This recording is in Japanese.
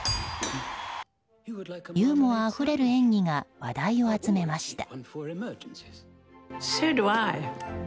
ユーモアあふれる演技が話題を集めました。